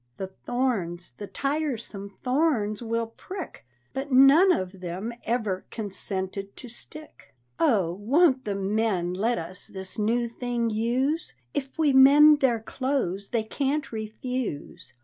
The thorns, the tiresome thorns, will prick, But none of them ever consented to stick! Oh, won't the men let us this new thing use? If we mend their clothes they can't refuse.